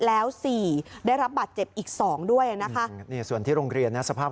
แล้ว๔ได้รับบัตรเจ็บอีก๒ด้วยนะคะส่วนที่โรงเกรียดสภาพ